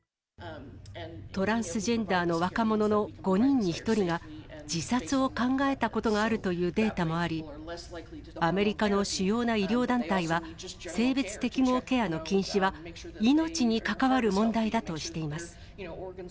トランスジェンダーの若者の５人に１人が自殺を考えたことがあるというデータもあり、アメリカの主要な医療団体は、性別適合ケアの禁止は命に関わる問題だとしています。